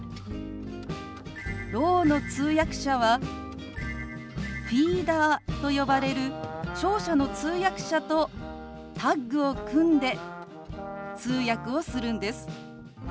ろうの通訳者はフィーダーと呼ばれる聴者の通訳者とタッグを組んで通訳をするんです。